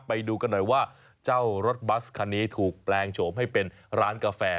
ไปดูกันหน่อยว่าเจ้ารถบัสคันนี้ถูกแปลงโฉมให้เป็นร้านกาแฟ